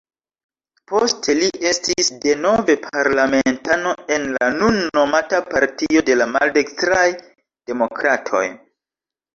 Poste li estis denove parlamentano, en la nun nomata Partio de la Maldekstraj Demokratoj.